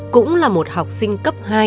cũng là một học sinh cấp hai